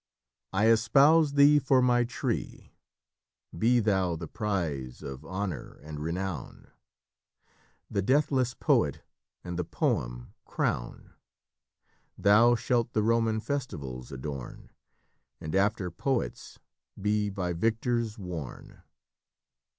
"I espouse thee for my tree: Be thou the prize of honour and renown; The deathless poet, and the poem, crown; Thou shalt the Roman festivals adorn, And, after poets, be by victors worn."